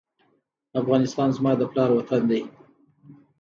افغانستان زما د پلار وطن دی